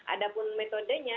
ada pun metodenya